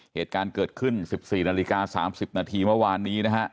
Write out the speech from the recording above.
เหตุการณ์เกิดขึ้น๑๔นาฬิกา๓๐นาทีเมื่อวานนี้นะฮะ